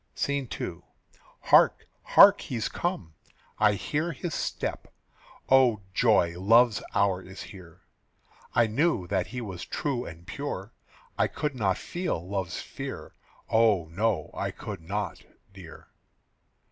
SCENE II. "Hark, hark! he's come. I hear his step. O joy, love's hour is here. I knew that he was true and pure, I could not feel love's fear. Oh, no; I could not, dear."